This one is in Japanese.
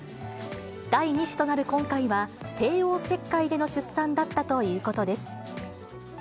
第２子となる今回は、帝王切開での出産だったということです。